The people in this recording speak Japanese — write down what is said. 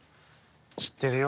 知ってるよ。